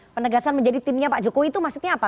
penegasan menjadi timnya pak jokowi itu maksudnya apa